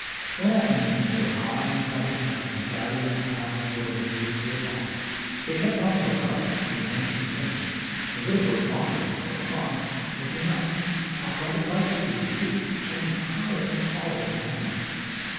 One afterno^ni they were high on the side of the mountain, gathering and piling the wood of a newly cleared lot. They kept on till dark, being anxious to finish, and would have worked longer, but Hans, looking up, saw bright lights through the trees, shining high up, in a hollow of the mountain.